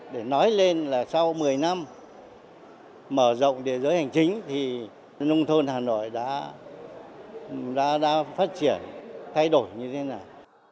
để nói lên là sau một mươi năm mở rộng địa giới hành chính thì nông thôn hà nội đã phát triển thay đổi như thế nào